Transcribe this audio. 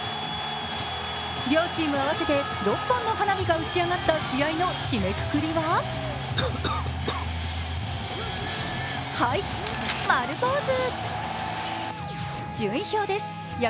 両チーム合わせて６本の花火が打ち上がった試合の締めくくりははい、丸ポーズ。